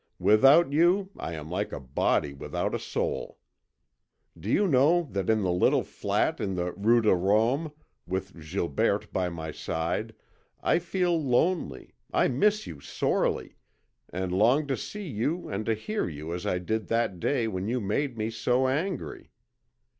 Without you I am like a body without a soul. Do you know that in the little flat in the rue de Rome, with Gilberte by my side, I feel lonely, I miss you sorely, and long to see you and to hear you as I did that day when you made me so angry.